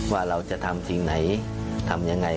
ว่าเราจะทำสิ่งไหนทำยังไง